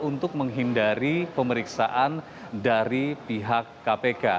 untuk menghindari pemeriksaan dari pihak kpk